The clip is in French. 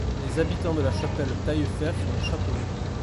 Les habitants de La Chapelle-Taillefert sont les Chapelauds.